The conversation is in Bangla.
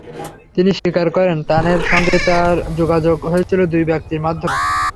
তিনি স্বীকার করেন, তানের সঙ্গে তাঁর যোগাযোগ হয়েছিল দুই ব্যক্তির মাধ্যমে।